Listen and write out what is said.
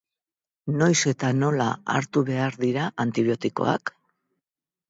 Noiz eta nola hartu behar dira antibiotikoak?